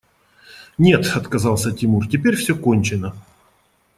– Нет, – отказался Тимур, – теперь все кончено.